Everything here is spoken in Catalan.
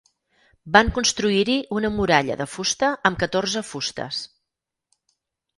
Van construir-hi una muralla de fusta amb catorze fustes.